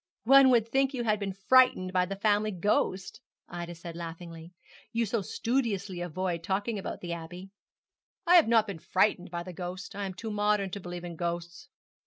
'One would think you had been frightened by the family ghost,' Ida said laughingly, 'you so studiously avoid talking about the Abbey.' 'I have not been frightened by the ghost I am too modern to believe in ghosts.'